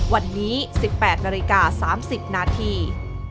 วันนี้๑๘นาฬิกา๓๐นาที